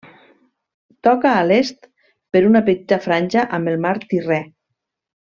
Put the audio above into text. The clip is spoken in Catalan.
Toca a l'est, per una petita franja amb el mar Tirrè.